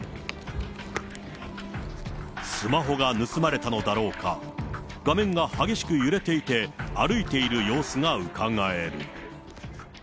スマホが盗まれたのだろうか、画面が激しく揺れていて、歩いている様子がうかがえる。